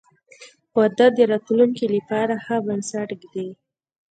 • واده د راتلونکي لپاره ښه بنسټ ږدي.